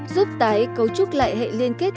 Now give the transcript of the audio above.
giúp tái cấu trúc lại hệ liên kết